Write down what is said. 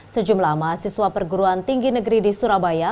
sejumlah mahasiswa perguruan tinggi negeri di surabaya